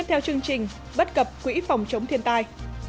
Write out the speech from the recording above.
theo chương trình bất cập quỹ phòng chống thiên tai